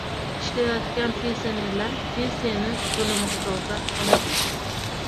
Ishlayotgan pensionerlar pensiyani to‘la miqdorda oladilar